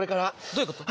どういう事？